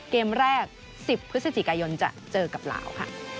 เกมแรก๑๐พฤศจิกายนจะเจอกับลาวค่ะ